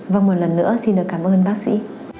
vâng một lần nữa xin được cảm ơn bác sĩ